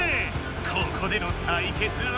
ここでの対決は？